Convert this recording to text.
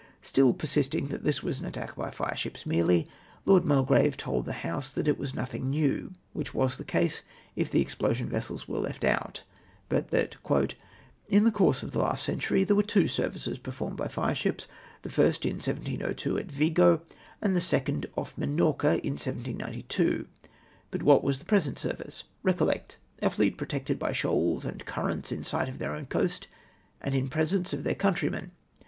Still persisting that this was an attack by hreships merely, Lord Mulgrave told the House that it was nothing new, which was the case, if the explosion vessels were left out, but that —" In the course of the last century there were two services performed by fireships; the first in 1702 at Vigo, and the second off Minorca in 1792. But ivhat was the present service ? Recollect, a fleet protected by shoals and currents, in sight of their own coast, and in presence of their country men.